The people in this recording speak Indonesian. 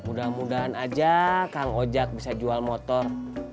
mudah mudahan aja kang oja bisa jual motor